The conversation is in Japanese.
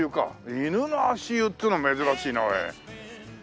犬の足湯っていうのは珍しいなおい。